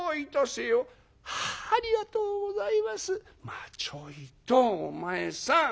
「まあちょいとお前さん。